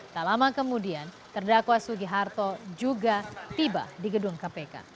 tak lama kemudian terdakwa sugiharto juga tiba di gedung kpk